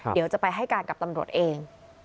เดี๋ยวจะไปให้การกับตำรวจเอง